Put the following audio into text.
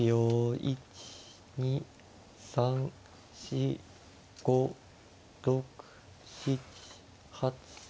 １２３４５６７８９。